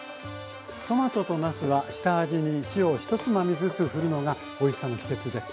トマトとなすは下味に塩を１つまみずつふるのがおいしさの秘けつです。